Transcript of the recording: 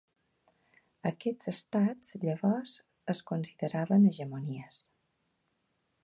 Aquests estats llavors es consideraven hegemonies.